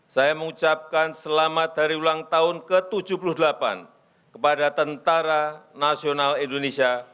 saya mengucapkan selamat dari ulang tahun ke tujuh puluh delapan kepada tentara nasional indonesia